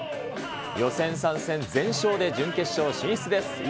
予選３戦全勝で準決勝進出です。